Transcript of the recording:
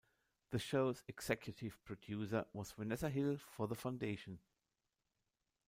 The show's executive producer was Vanessa Hill for The Foundation.